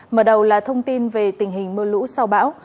mở đầu là thông tin về tình hình mưa lũ sau bão